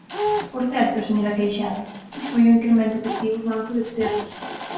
Por certo, señora Queixada, que foi o incremento que tivo o Banco de Terras.